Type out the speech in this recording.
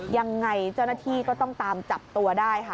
ยังไงเจ้าหน้าที่ก็ต้องตามจับตัวได้ค่ะ